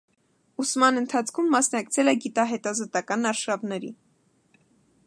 Ուսման ընթացքում մասնակցել է գիտահետազոտական արշավների։